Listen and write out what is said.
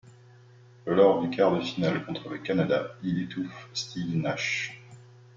Lors du quart de finale contre le Canada, il étouffe Steve Nash.